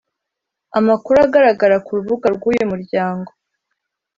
Amakuru agaragara ku rubuga rw’uyu muryango